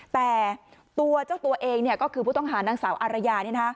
แต่ตัวเจ้าตัวเองก็คือผู้ต้องหานางสาวอารยา